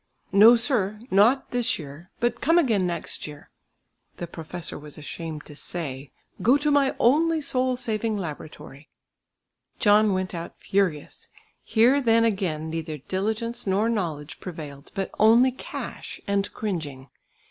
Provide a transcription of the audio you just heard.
"No, sir, not this year; but come again next year." The professor was ashamed to say, "Go to my only soul saving laboratory." John went out furious. Here then again neither diligence nor knowledge prevailed, but only cash and cringing!